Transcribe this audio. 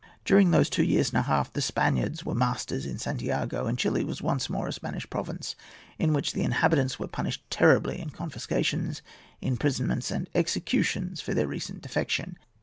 During those two years and a half the Spaniards were masters in Santiago, and Chili was once more a Spanish province, in which the inhabitants were punished terribly in confiscations, imprisonments, and executions for their recent defection.